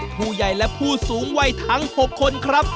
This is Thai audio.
ผู้ใหญ่และผู้สูงวัยทั้ง๖คนครับ